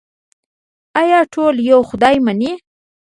آیا ټول یو خدای مني؟